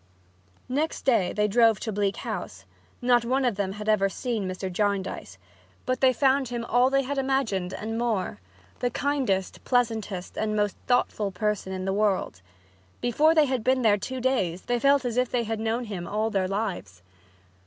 Next day they drove to Bleak House. Not one of them had ever seen Mr. Jarndyce, but they found him all they had imagined and more the kindest, pleasantest and most thoughtful person in the world. Before they had been there two days they felt as if they had known him all their lives.